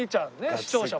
視聴者も。